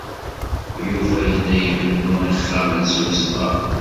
Yuba yella ibennu ixxamen s wesɣar.